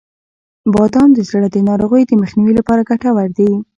• بادام د زړه د ناروغیو د مخنیوي لپاره ګټور دي.